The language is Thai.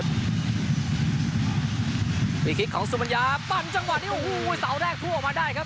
พลิกของสุมัญญาปั้นจังหวะนี้โอ้โหเสาแรกพั่วออกมาได้ครับ